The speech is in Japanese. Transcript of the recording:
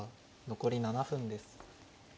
残り７分です。